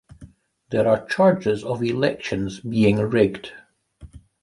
There are charges of elections being rigged.